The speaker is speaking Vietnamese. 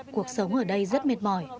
cuộc sống ở đây rất mệt mỏi